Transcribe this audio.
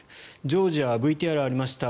ジョージアはＶＴＲにありました